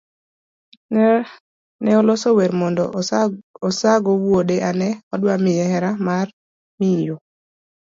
Ne oloso wer mondo osago wuode ane odwa miye hera mar miyo.